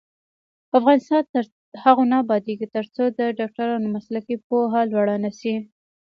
افغانستان تر هغو نه ابادیږي، ترڅو د ډاکټرانو مسلکي پوهه لوړه نشي.